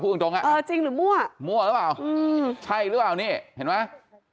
พูดตรงค่ะมั่วหรือเปล่าใช่หรือเปล่านี่เห็นไหม